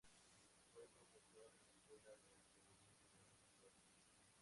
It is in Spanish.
Fue profesor en la Escuela de Periodismo de la Universidad de Chile.